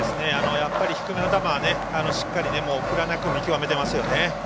やっぱり低めの球はしっかり振らずに見極めてますよね。